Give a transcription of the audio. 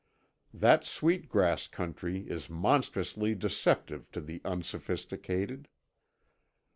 That Sweet Grass country is monstrously deceptive to the unsophisticated.